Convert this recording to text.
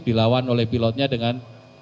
dilawan oleh pilot nya dengan